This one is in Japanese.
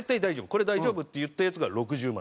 これ大丈夫」って言ったやつが６０万。